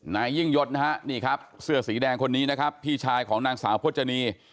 นายยิ่งยศนะฮะนี่ครับเสื้อสีแดงคนนี้นะครับพี่ชายของนางสาวพจนี